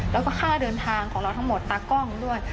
แล้วก็ค่าเดินทางของเราทั้งหมดตากล้องด้วย